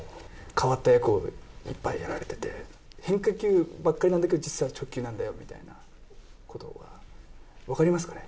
変わった役をいっぱいやられてて、変化球ばっかりなんだけど、実は直球なんだよみたいなことが、分かりますかね？